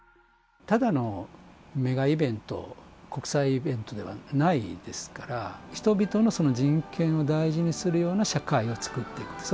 ただのメガイベント、国際イベントではないですから、人々の人権を大事にするような社会を作っていく。